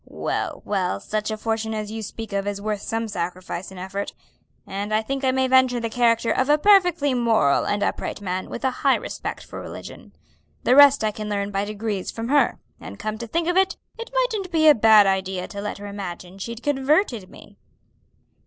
Well, well, such a fortune as you speak of is worth some sacrifice and effort, and I think I may venture the character of a perfectly moral and upright man with a high respect for religion. The rest I can learn by degrees from her; and come to think of it, it mightn't be a bad idea to let her imagine she'd converted me."